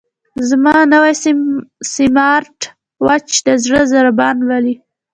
زما نوی سمارټ واچ د زړه ضربان لولي.